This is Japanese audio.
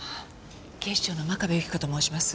警視庁の真壁有希子と申します。